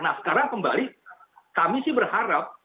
nah sekarang kembali kami sih berharap